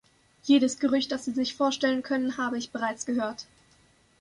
Jedes Gerücht, das Sie sich vorstellen können, habe ich bereits gehört.